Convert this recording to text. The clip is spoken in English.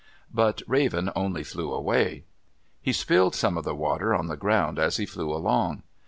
But Raven only flew away. He spilled some of the water on the ground as he flew along.